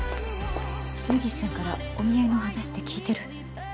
根岸さんからお見合いのお話って聞いてる？